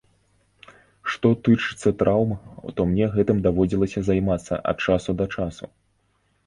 Што тычыцца траўм, то мне гэтым даводзілася займацца ад часу да часу.